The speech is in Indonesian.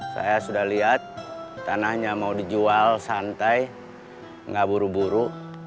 saya sudah lihat tanahnya mau dijual santai nggak buru buru